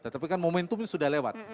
tapi kan momentumnya sudah lewat